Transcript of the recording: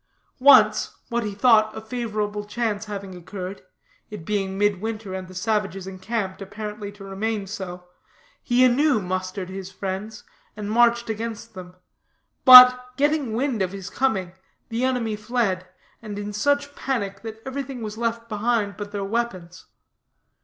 Once, what he thought a favorable chance having occurred it being midwinter, and the savages encamped, apparently to remain so he anew mustered his friends, and marched against them; but, getting wind of his coming, the enemy fled, and in such panic that everything was left behind but their weapons.